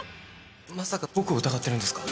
「まさか僕を疑ってるんですか？」